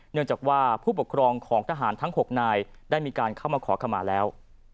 เนื่องจากว่าผู้ปกครองของทหารทั้ง๖นายได้มีการเข้ามาขอขมาแล้ว